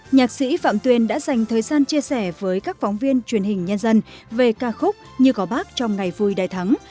nhạc sĩ phạm tuyên đã dành thời gian chia sẻ với các phóng viên truyền hình nhân dân về ca khúc như có bác trong ngày vui đại thắng